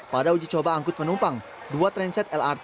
pada uji coba angkut penumpang dua tren set lrt